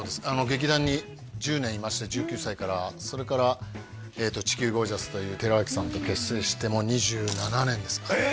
劇団に１０年いまして１９歳からそれから地球ゴージャスという寺脇さんと結成してもう２７年ですかえ！？